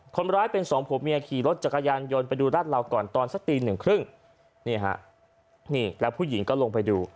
คนร้ายเป็นสองผัวเมียขี่รถจักรยานยนต์ไปดูรัดเราก่อนตอนสักตีหนึ่งครึ่งนี่ฮะนี่แล้วผู้หญิงก็ลงไปดู